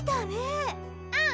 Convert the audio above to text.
うん！